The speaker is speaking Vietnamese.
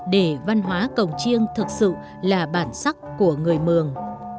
để văn hóa cổng chiêng thực sự là bản sắc của người mường